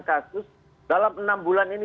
kasus dalam enam bulan ini